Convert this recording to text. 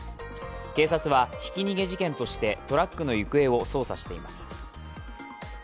警察はひき逃げ事件としてトラックの行方を捜査しています。